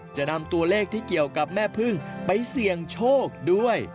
จะนำตัวเลขที่เกี่ยวกับแม่พึ่งไปเสี่ยงโชคด้วย